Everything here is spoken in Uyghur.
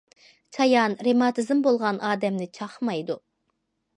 چايان رېماتىزم بولغان ئادەمنى چاقمايدۇ.